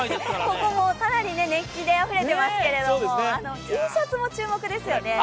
ここもかなり熱気であふれていますけど、Ｔシャツにも注目ですよね。